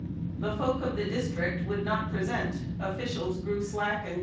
The folk of the district would not present, officials grew slack and corrupt.